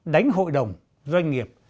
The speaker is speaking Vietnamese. đánh hội đồng doanh nghiệp